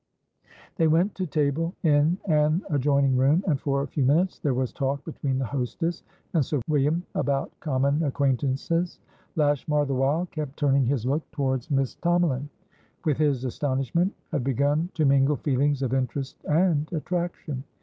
They went to table in an adjoining room, and for a few minutes there was talk between the hostess and Sir William about common acquaintances. Lashmar, the while, kept turning his look towards Miss Tomalin. With his astonishment had begun to mingle feelings of interest and attraction.